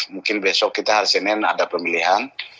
mungkin besok kita harusin ada pemilihan